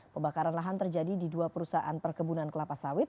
pembakaran lahan terjadi di dua perusahaan perkebunan kelapa sawit